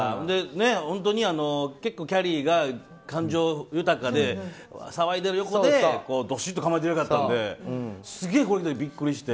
本当に、結構キャリーが感情豊かで騒いでいる横でどしっと構えている役だったのですげえビックリして。